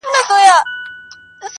o خر او خنکيانه!